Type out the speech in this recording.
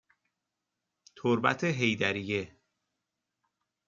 تربت حیدریه